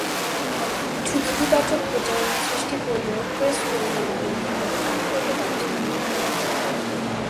এই মামলাটি কিছু নেতিবাচক প্রচারণা সৃষ্টি করলেও ক্রেসওয়েলের বিরুদ্ধে কোন আইনগত ব্যবস্থা নেয়া হয়নি।